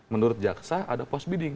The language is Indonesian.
menurut jaksa ada post bidding